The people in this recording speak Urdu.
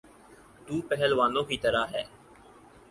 تو پہلوانوں کی طرح۔